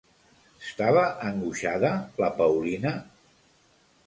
Estava angoixada la Paulina?